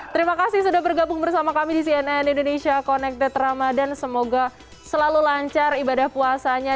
terima kasih sudah bergabung bersama kami di cnn indonesia connected ramadhan semoga selalu lancar ibadah puasanya